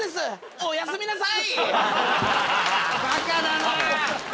「おやすみなさい！！！」。